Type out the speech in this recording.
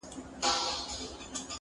ډېر پخوا په ډېرو لیري زمانو کي!.